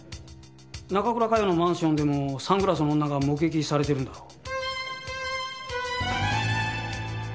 中倉佳世のマンションでもサングラスの女が目撃されてるんだろう？